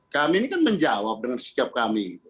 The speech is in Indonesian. kami ini kan menjawab dengan sikap kami